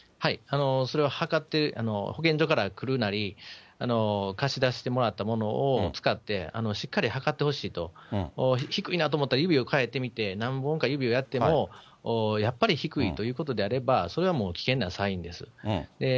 それを測って、保健所からくるなり、貸し出してもらったものを使って、しっかり測ってほしいと、低いなと思ったら、指を替えてみて、何本か指をやっても、やっぱり低いということであれば、それはもう危険なサインです。